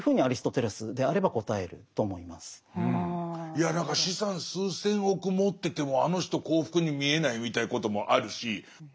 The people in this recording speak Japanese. いや何か資産数千億持っててもあの人幸福に見えないみたいなこともあるしすごく分かる。